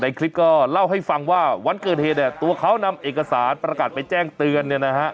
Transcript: ในคลิปก็เล่าให้ฟังว่าวันเกิดเหตุตัวเขานำเอกสารประกันไปแจ้งเตือน